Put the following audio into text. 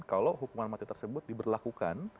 kalau hukuman mati tersebut diberlakukan